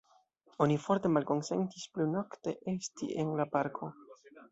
Oni forte malkonsentis plu nokte esti en la parko.